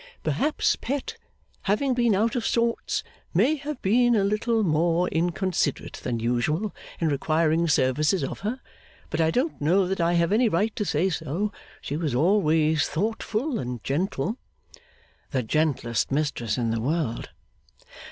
Perhaps Pet, having been out of sorts, may have been a little more inconsiderate than usual in requiring services of her: but I don't know that I have any right to say so; she was always thoughtful and gentle.' 'The gentlest mistress in the world.